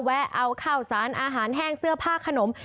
แวะเอาข้าวสารอาหารแห้งเสื้อผ้าขนม